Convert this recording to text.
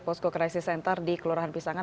posko crisis center di kelurahan pisangan